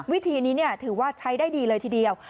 วิธีนี้ถือว่าใช้ได้ดีเลยทีเดียว